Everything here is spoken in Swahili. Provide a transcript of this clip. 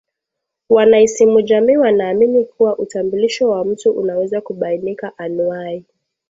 Wanaisimujamii wanaamini kuwa utambulisho wa mtu unaweza kubainika anuai